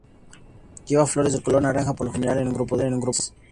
Lleva flores de color naranja, por lo general en grupos de tres.